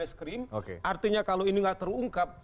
eskrim artinya kalau ini gak terungkap